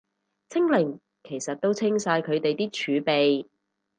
清零其實都清晒佢哋啲儲備